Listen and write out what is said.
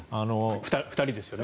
２人ですよね。